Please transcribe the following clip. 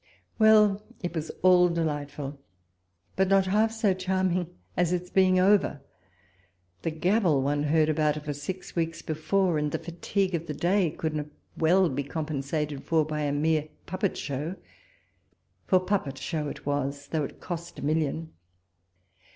Well ! it was all delightful, but not half so charm ing as its being over. The gabble one heard about it for six weeks before, and the fatigue of the day, could not well be compensated by a mere puppet show ; for puppet show it was, though it cost a million.